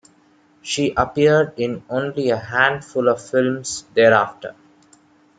She appeared in only a handful of films thereafter.